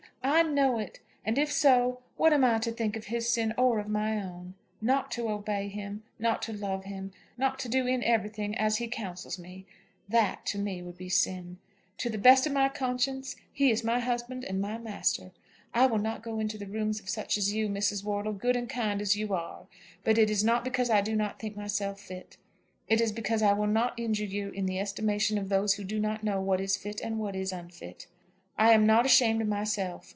I know it. And if so, what am I to think of his sin, or of my own? Not to obey him, not to love him, not to do in everything as he counsels me, that, to me, would be sin. To the best of my conscience he is my husband and my master. I will not go into the rooms of such as you, Mrs. Wortle, good and kind as you are; but it is not because I do not think myself fit. It is because I will not injure you in the estimation of those who do not know what is fit and what is unfit. I am not ashamed of myself.